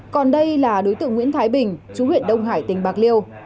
còn đây là đối tượng nguyễn thái bình chú huyện đông hải tỉnh bạc liêu